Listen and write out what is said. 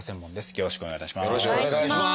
よろしくお願いします。